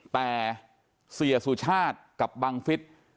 แต่เสียสุชาติกับบังฟิศ